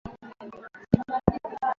Mayi ya baridi inaletaka malalli ya meno